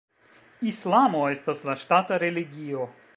Islamo estas la ŝtata religio.